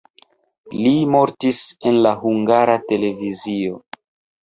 Li mortis en la Hungara Televizio.